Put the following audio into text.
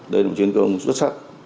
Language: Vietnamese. đây là một chuyên công xuất sắc